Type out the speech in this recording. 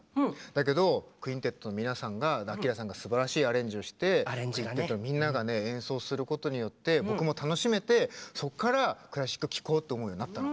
だけど「クインテット」の皆さんがアキラさんがすばらしいアレンジをして「クインテット」のみんながね演奏することによって僕も楽しめてそこからクラシック聴こうって思うようになったの。